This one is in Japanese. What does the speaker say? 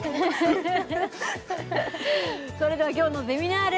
それでは今日のゼミナール